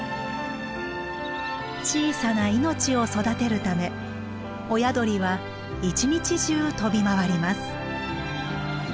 小さな命を育てるため親鳥は一日中飛び回ります。